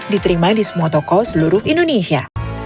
diterima di semua toko seluruh indonesia